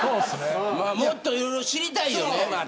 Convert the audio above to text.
もっといろいろ知りたいよね。